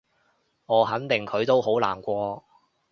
我肯定佢都好難過